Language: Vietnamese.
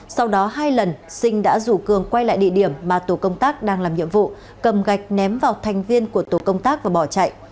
sau đó hai lần sinh đã rủ cường quay lại địa điểm mà tổ công tác đang làm nhiệm vụ cầm gạch ném vào thành viên của tổ công tác và bỏ chạy